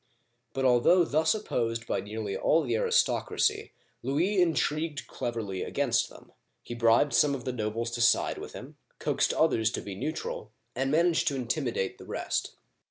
But although thus opposed by nearly all the aristocracy, Louis intrigued cleverly against them. He bribed some of the nobles to side with him, coaxed others to be neutral, and managed to intimidate the rest.